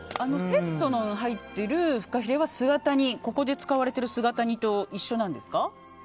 セットに入ってるフカヒレはここで使われてる姿煮と一緒なんですか？